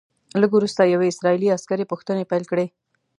لږ وروسته یوې اسرائیلي عسکرې پوښتنې پیل کړې.